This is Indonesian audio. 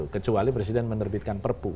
kecuali presiden menerbitkan perpu